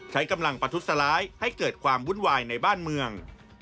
ใช้กำลังประทุษร้ายให้เกิดความวุ่นวายในบ้านเมือง